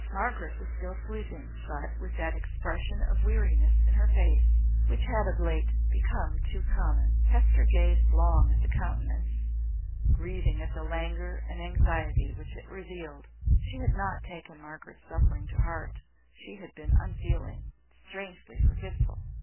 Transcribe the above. Margaret was still sleeping, but with that expression of weariness in her face which had of late become too common. Hester gazed long at the countenance, grieving at the languor and anxiety which it revealed. She had not taken Margaret's suffering to heart, she had been unfeeling, strangely forgetful.